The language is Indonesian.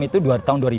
itu tahun dua ribu